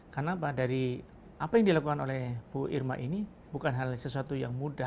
karena apa yang dilakukan oleh bu irma ini bukan hal sesuatu yang mudah